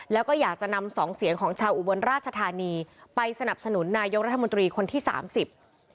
แล้วก็อยากจะนำสองเสียงของชาวอุบลราชธานีไปสนับสนุนนายกรัฐมนตรีคนที่สามสิบ